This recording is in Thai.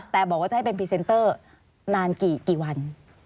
แต่บอกว่าจะให้เป็นพรีเซนเตอร์นานกี่วัน